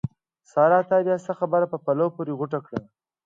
سارا! تا بیا څه خبره په پلو پورې غوټه کړه؟!